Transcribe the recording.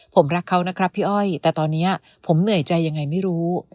ผมรักเขานะครับพี่อ้อยแต่ตอนนี้ผมเหนื่อยใจยังไงไม่รู้